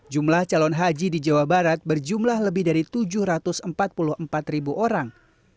jumlah calon haji di jawa barat berjumlah lebih dari tujuh ratus empat puluh empat ribu orang